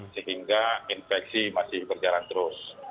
sehingga infeksi masih berjalan terus